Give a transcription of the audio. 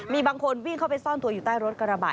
มีบางคนวิ่งเข้าไปซ่อนตัวอยู่ใต้รถกระบะ